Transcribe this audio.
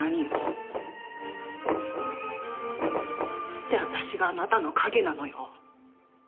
なんで私があなたの影なのよ。